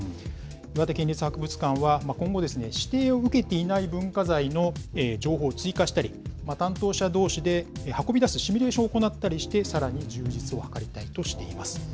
岩手県立博物館は今後、指定を受けていない文化財の情報を追加したり、担当者どうしで運び出すシミュレーションを行ったりして、さらに充実を図りたいとしています。